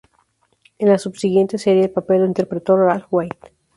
En la subsiguiente serie el papel lo interpretó Ralph Waite.